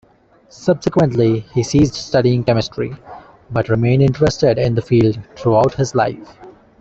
Subsequently, he ceased studying chemistry, but remained interested in the field throughout his life.